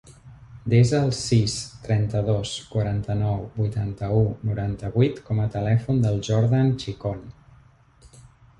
Desa el sis, trenta-dos, quaranta-nou, vuitanta-u, noranta-vuit com a telèfon del Jordan Chicon.